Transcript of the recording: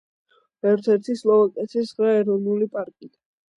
ერთ-ერთი სლოვაკეთის ცხრა ეროვნული პარკიდან.